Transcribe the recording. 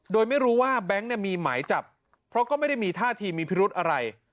โดยไม่รู้ว่าแบงค์มีหมายจับเพราะก็ไม่ได้มีท่าทีมีพิรุธอะไร